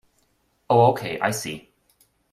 Oh okay, I see.